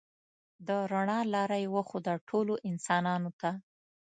د رڼا لاره یې وښوده ټولو انسانانو ته.